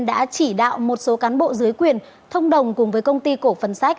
đã chỉ đạo một số cán bộ dưới quyền thông đồng cùng với công ty cổ phần sách